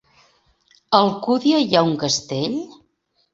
A Alcúdia hi ha un castell?